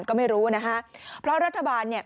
ก็ไม่รู้นะพระราชบาล